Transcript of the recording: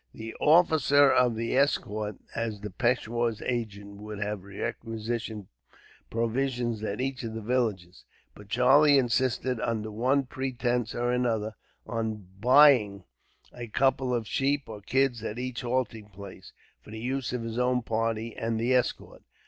The officer of the escort, as the peishwar's agent, would have requisitioned provisions at each of the villages; but Charlie insisted, under one pretence or another, on buying a couple of sheep or kids at each halting place, for the use of his own party and the escort.